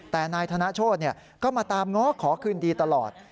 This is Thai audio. แต่นายธนโชธก็มาตามง้อขอคืนดีตลอด